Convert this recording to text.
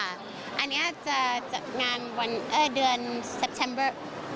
อันนี้จะจัดงานเดือนเซปเทมเบอร์